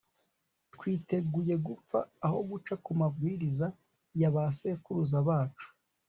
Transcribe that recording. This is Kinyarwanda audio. twiteguye gupfa, aho guca ku mabwiriza y'abasekuruza bacu